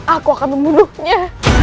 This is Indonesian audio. aku akan membunuhnya